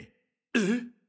えっ？